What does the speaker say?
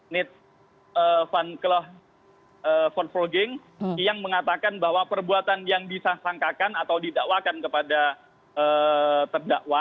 nid van kloof van vroeging yang mengatakan bahwa perbuatan yang bisa sangkakan atau didakwakan kepada terdakwa